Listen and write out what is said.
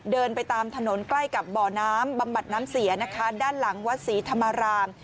เดินไปตามถนนใกล้กับบ่อน้ำบำบัดน้ำเสียนะคะด้านหลังวัดศรีธรรมราม